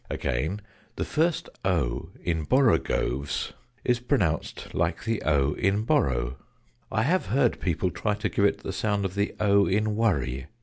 Again, the first "o" in "borogoves" is pronounced like the "o" in "borrow." I have heard people try to give it the sound of the "o" in "worry."